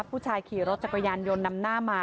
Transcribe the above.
ขี่รถจักรยานยนต์นำหน้ามา